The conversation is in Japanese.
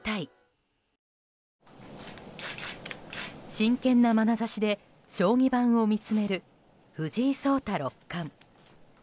真剣なまなざしで将棋盤を見つめる藤井聡太六冠。